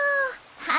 はい。